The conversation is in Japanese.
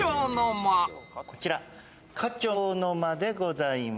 こちら花鳥の間でございます。